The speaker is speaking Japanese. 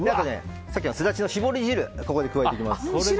あとさっきのスダチの搾り汁をここで加えていきます。